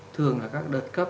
thường là các đợt cấp